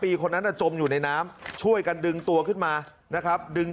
คนนั้นจมอยู่ในน้ำช่วยกันดึงตัวขึ้นมานะครับดึง